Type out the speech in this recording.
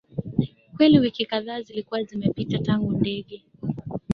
kweli Wiki kadhaa zilikuwa zimepita tangu ndege